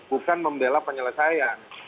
bukan membela penyelesaian